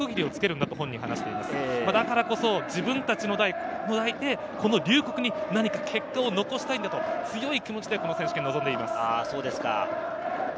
だからこそ自分たちの代で、龍谷に何か結果を残したいんだと強い気持ちで選手権に臨んでいます。